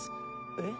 えっ？